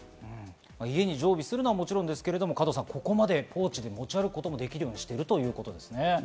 家に常備するのはもちろん、加藤さん、ここまでポーチで持ち歩くこともできるようにしているんですね。